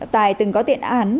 tài từng có tiện án